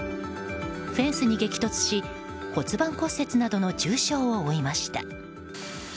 フェンスに激突し骨盤骨折などの重傷を負いました。